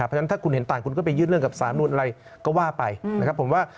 เพราะฉะนั้นถ้าคุณเห็นต่างคุณก็ไปยื่นเรื่องกับสารนุนอะไรก็ว่าไปนะครับผมว่า